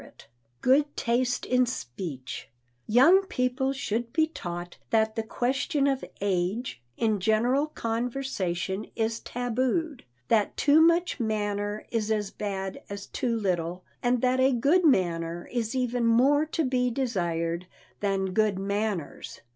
[Sidenote: GOOD TASTE IN SPEECH] Young people should be taught that the question of age, in general conversation, is tabooed, that too much manner is as bad as too little, and that a good manner is even more to be desired than good manners.